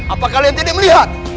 apa kalian tidak melihat